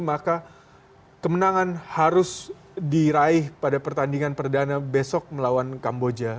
maka kemenangan harus diraih pada pertandingan perdana besok melawan kamboja